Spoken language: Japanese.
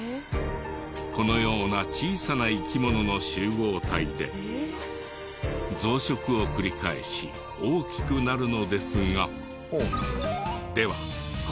このような小さな生き物の集合体で増殖を繰り返し大きくなるのですが。